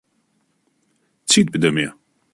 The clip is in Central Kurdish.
چیت بدەمێ؟